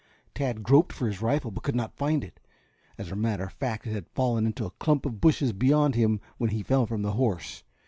Tad groped for his rifle, but could not find it. As a matter of fact it had fallen into a clump of bushes beyond him when he fell from the horse.